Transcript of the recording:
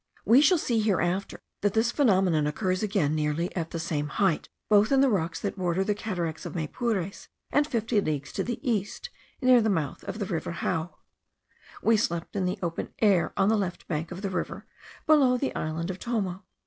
We shall see hereafter, that this phenomenon occurs again nearly at the same height, both in the rocks that border the cataracts of Maypures, and fifty leagues to the east, near the mouth of the Rio Jao. We slept in the open air, on the left bank of the river, below the island of Tomo.